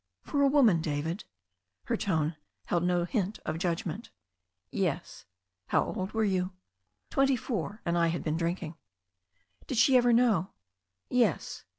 "For a woman, David?" Her tone held no hint of judg ment. "Yes." "How old were you?" "Twenty four — ^and I had been drinking." "Did she ever know?" "Yes.